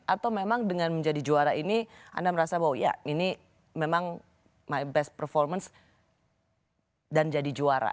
atau memang dengan menjadi juara ini anda merasa bahwa ya ini memang my best performance dan jadi juara